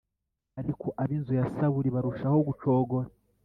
ariko ab’inzu ya Sawuli barushaho gucogora.